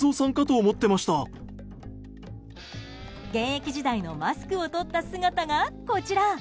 現役時代のマスクを取った姿がこちら。